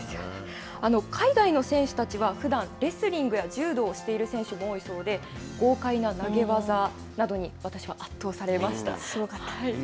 海外の選手たちは、ふだん、レスリングや柔道をしている選手が多いそうで、豪快な投げ技などに、私は圧倒されました。